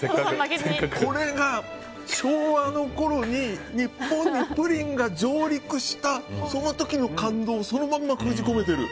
これが、昭和のころに日本にプリンが上陸したその時の感動をそのまま封じ込めてる。